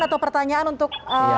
atau pertanyaan untuk